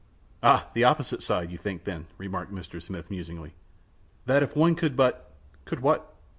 "Ah, the opposite side! You think, then," remarked Mr. Smith, musingly, "that if one could but " "Could what?"